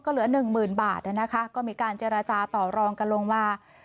ก็เหลือ๑๐๐๐๐บาทนะนะคะก็มีการเจรจาต่อรองกันลงว่า